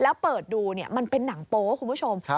แล้วเปิดดูมันเป็นหนังโป๊คุณผู้ชม